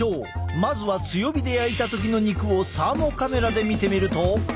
まずは強火で焼いた時の肉をサーモカメラで見てみると。